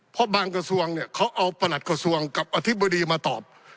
เพราะบางกระทรวงเนี่ยเขาเอาประหลัดกระทรวงกับอธิบดีมาตอบ